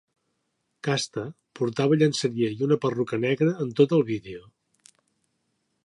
Casta portava llenceria i una perruca negra en tot el vídeo.